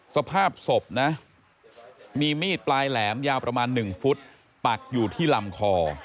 สภาพศพนะมีมีดปลายแหลมยาวประมาณ๑ฟุตปักอยู่ที่ลำคอ